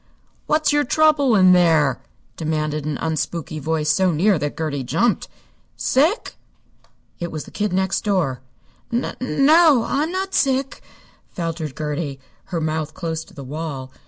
"What's your trouble in there?" demanded an unspooky voice so near that Gertie jumped. "Sick?" It was the Kid Next Door. "N no, I'm not sick," faltered Gertie, her mouth close to the wall.